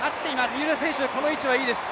三浦選手、この位置はいいです。